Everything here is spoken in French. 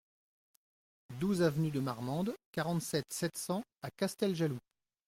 douze avenue de Marmande, quarante-sept, sept cents à Casteljaloux